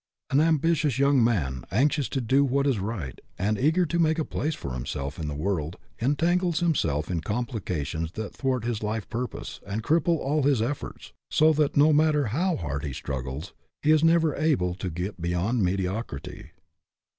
An ambitious young man, anxious to do what is right and eager to make a place for himself in the world, entangles himself in complications that thwart his life purpose and cripple all his efforts ; so that, no matter how hard <he struggles, he is never able to get be yond mediocrity.